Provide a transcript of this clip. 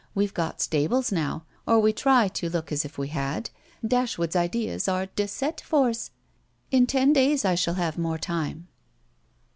We've got stables now or we try to look as if we had: Dashwood's ideas are de cette force. In ten days I shall have more time."